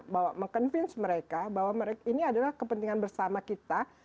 bahwa meng convince mereka bahwa ini adalah kepentingan bersama kita